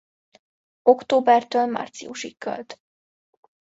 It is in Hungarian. Októbertől márciusig költ.